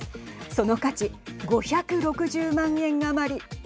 その価値５６０万円余り。